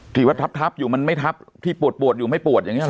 ที่ว่าทับอยู่มันไม่ทับที่ปวดปวดอยู่ไม่ปวดอย่างนี้หรอ